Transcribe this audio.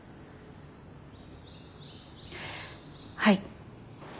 はい。